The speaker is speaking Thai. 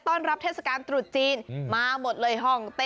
ต้อนรับเทศกาลตรุจจีน